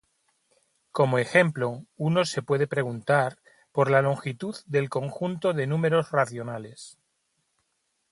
Como ejemplo, uno se puede preguntar por la longitud del conjunto de números racionales.